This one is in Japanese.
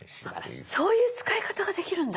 そういう使い方ができるんだ！